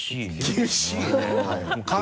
厳しいね。